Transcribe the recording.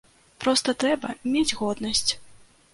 Проста трэба мець годнасць!